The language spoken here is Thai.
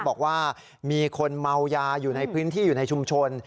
บอกว่ามีคนเมายาอยู่ในพื้นที่อยู่ในชุมชน